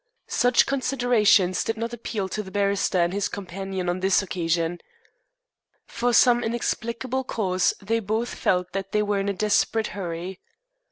Such considerations did not appeal to the barrister and his companion on this occasion. For some inexplicable cause they both felt that they were in a desperate hurry.